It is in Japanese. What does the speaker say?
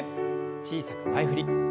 小さく前振り。